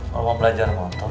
kalau mau belajar motor